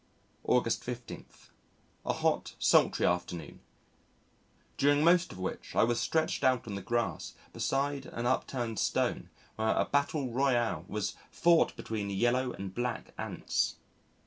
August 15. A hot, sultry afternoon, during most of which I was stretched out on the grass beside an upturned stone where a battle royal was fought between Yellow and Black Ants.